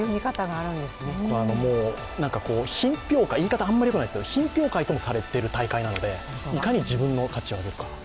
あんまり言い方よくないですけど品評会ともされている大会なのでいかに自分の価値を上げるか。